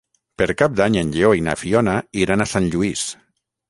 Per Cap d'Any en Lleó i na Fiona iran a Sant Lluís.